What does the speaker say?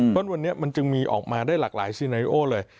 เพราะวันนี้มันจึงมีออกมาได้หลากหลายซีไนโอเลย